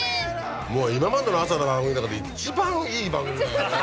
今までの朝の番組の中で一番いい番組だよね。